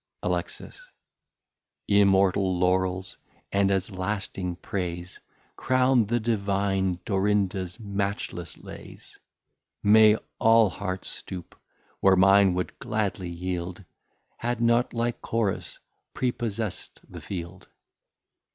Alexis. Immortal Laurels and as Lasting Praise, Crown the Divine Dorinda's matchless Laies: May all Hearts stoop, where mine would gladly yield, Had not Lycoris prepossest the Field.